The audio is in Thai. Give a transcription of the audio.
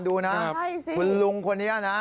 ดูนะคุณลุงคนนี้นะ